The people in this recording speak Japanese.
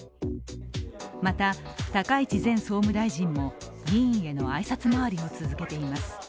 また、高市前総務大臣も議員への挨拶回りを続けています。